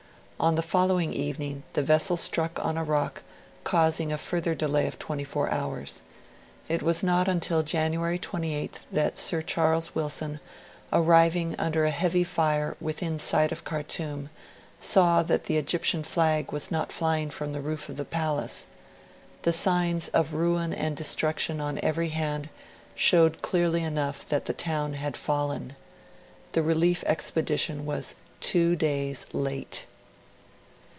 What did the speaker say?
On the following evening, the vessel struck on a rock, causing a further delay of twenty four hours. It was not until January 28th that Sir Charles Wilson, arriving under a heavy fire within sight of Khartoum, saw that the Egyptian flag was not flying from the roof of the palace. The signs of ruin and destruction on every hand showed clearly enough that the town had fallen. The relief expedition was two days late.